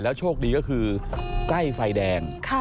โชคดีก็คือใกล้ไฟแดง